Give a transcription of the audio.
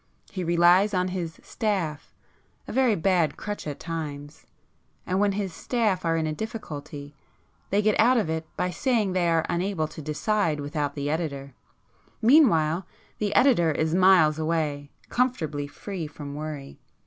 He relies on his 'staff'—a very bad crutch at times,—and when his 'staff' are in a difficulty, they get out of it by saying they are unable to decide without the editor. Meanwhile the editor is miles away, comfortably free from worry.